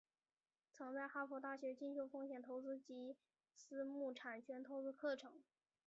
并曾在哈佛大学进修风险投资及私募产权投资课程。